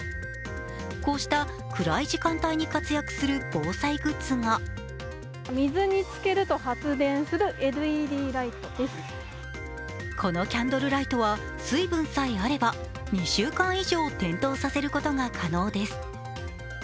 こうした暗い時間帯に活躍する防災グッズがこのキャンドルライトは、水分さえあれば、２週間以上、点灯させることが可能です。